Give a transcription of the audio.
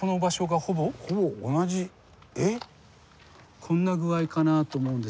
こんな具合かなと思うんですが。